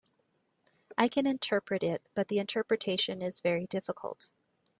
I can interpret it, but the interpretation is very difficult.